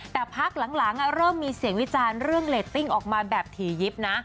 แต่พักหลังเริ่มมีเสียงวิจารณ์เรื่องเรตติ้งออกมาแบบถี่ยิบนะ